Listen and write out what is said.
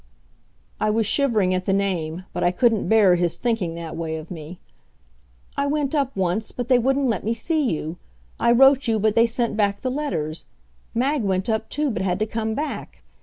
I was shivering at the name, but I couldn't bear his thinking that way of me. "I went up once, but they wouldn't let me see you. I wrote you, but they sent back the letters. Mag went up, too, but had to come back.